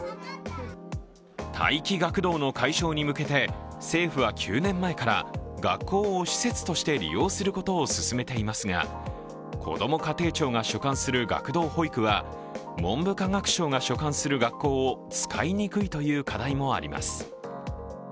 待機学童の解消に向けて政府は９年前から学校を施設として利用することを進めていますがこども家庭庁が所管する学童保育は文科省が所管する学校を使いにくいという課題もあります。